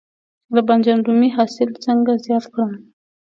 د بانجان رومي حاصل څنګه زیات کړم؟